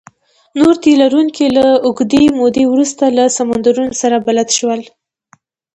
نور تي لرونکي له اوږدې مودې وروسته له سمندر سره بلد شول.